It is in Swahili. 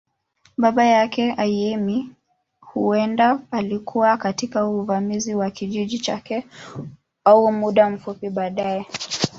Baba yake, Ayemi, huenda aliuawa katika uvamizi wa kijiji chake au muda mfupi baadaye.